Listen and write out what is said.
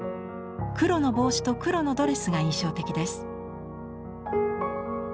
黒の帽子と黒のドレスが印象的です。